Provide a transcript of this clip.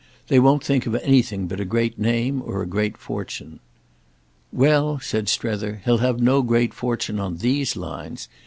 They won't think of anything but a great name or a great fortune." "Well," said Strether, "he'll have no great fortune on these lines.